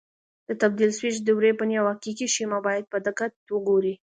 د تبدیل سویچ دورې فني او حقیقي شیما باید په دقت وګورئ.